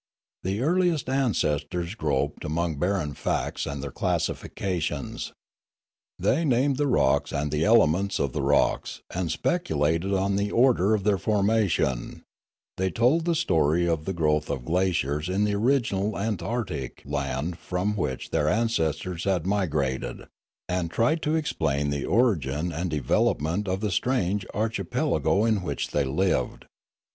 The earliest ancestors groped amongst barren facts and their classifications. They named the rocks and the elements of the rocks, and speculated on the order of their formation; they told the story of the growth of glaciers in the original Antarctic land from which their ancestors had migrated, and tried to ex plain the origin and development of the strange archi pelago in which they lived.